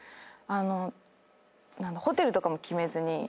あのホテルとかも決めずに。